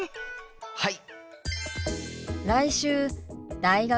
はい！